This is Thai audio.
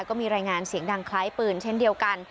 ก็มีรายงานเสียงดังคล้ายปืนเช่นเดียวกัน